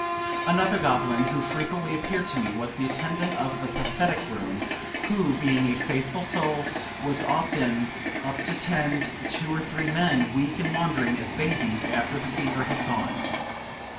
Another goblin who frequently appeared to me, was the attendant of the pathetic room, who, being a faithful soul, was often up to tend two or three men, weak and wandering as babies, after the fever had gone.